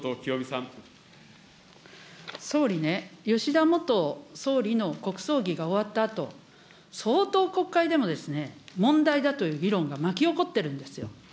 総理ね、吉田元総理の国葬儀が終わったあと、相当、国会でも、問題だという議論が巻き起こってるんですよ。